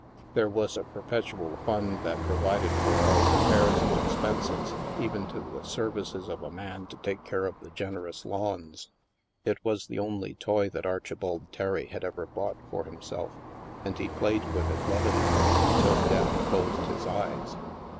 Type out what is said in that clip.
There was a per petual fund that provided for all repairs and ex penses, even to the services of a man to take care of the generous lawns. It was the only toy that Archibald Terry had ever bought for himself, and he played with it lovingly till Death closed his eyes.